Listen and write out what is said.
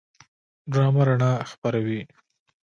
ډرامه رڼا خپروي